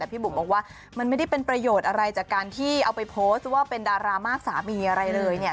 พี่บุ๋มบอกว่ามันไม่ได้เป็นประโยชน์อะไรจากการที่เอาไปโพสต์ว่าเป็นดารามากสามีอะไรเลยเนี่ย